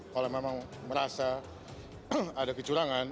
kalau memang merasa ada kecurangan